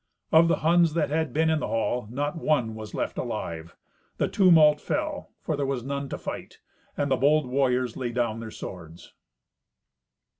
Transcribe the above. Of the Huns that had been in the hall, not one was left alive. The tumult fell, for there was none to fight, and the bold warriors laid down their swords.